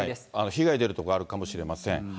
被害出る所あるかもしれません。